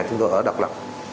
chúng tôi ở độc lập